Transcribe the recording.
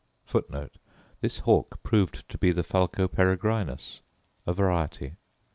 * This hawk proved to be the falco peregrinus; a variety.